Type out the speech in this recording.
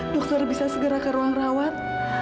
dokter bisa segera ke ruang rawat